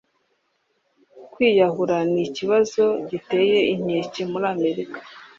kwiyahura ni ikibazo giteye inkeke muri Amerika